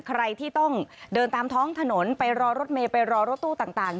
ใครที่ต้องเดินตามท้องถนนไปรอรถเมย์ไปรอรถตู้ต่าง